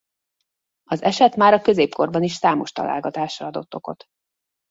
Az eset már a középkorban is számos találgatásra adott okot.